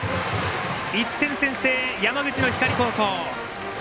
１点先制、山口の光高校。